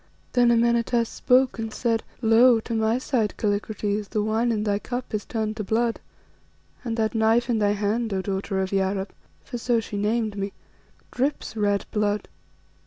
Then Amenartas spoke and said "'Lo! to my sight, Kallikrates, the wine in thy cup is turned to blood, and that knife in thy hand, O daughter of Yarab' for so she named me 'drips red blood.